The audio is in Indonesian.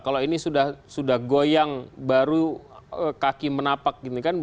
kalau ini sudah goyang baru kaki menapak